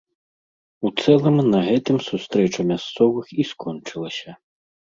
У цэлым на гэтым сустрэча мясцовых і скончылася.